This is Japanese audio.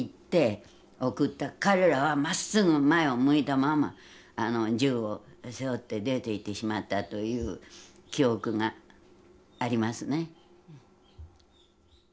彼らはまっすぐ前を向いたまま銃を背負って出ていってしまったという記憶がありますね。